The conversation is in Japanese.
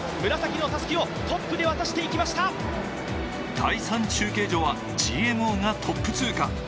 第３中継所はＧＭＯがトップ通過。